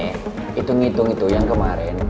hitung hitung itu yang kemarin